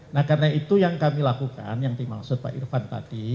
nah karena itu yang kami lakukan yang dimaksud pak irfan tadi